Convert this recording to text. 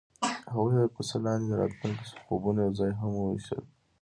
هغوی د کوڅه لاندې د راتلونکي خوبونه یوځای هم وویشل.